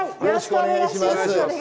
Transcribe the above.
よろしくお願いします！